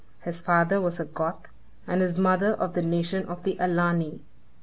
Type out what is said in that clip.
His father was a Goth, and his mother of the nation of the Alani.